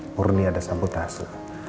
murni ada sabotase